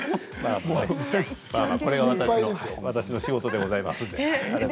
これが私の仕事でございますので。